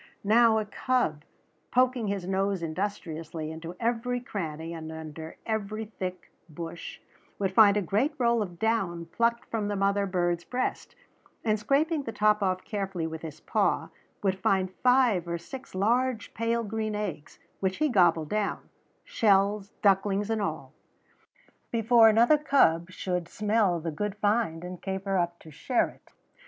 Now a cub, poking his nose industriously into every cranny and under every thick bush, would find a great roll of down plucked from the mother bird's breast, and scraping the top off carefully with his paw, would find five or six large pale green eggs, which he gobbled down, shells, ducklings and all, before another cub should smell the good find and caper up to share it.